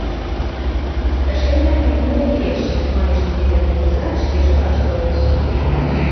— Ӹшкӹмнӓн пивной лиэ-эш, — манеш Микитӓ кугуза, ӹшкежӹ ваштылеш.